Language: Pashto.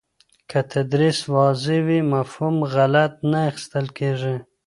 که تدریس واضح وي، مفهوم غلط نه اخیستل کېږي.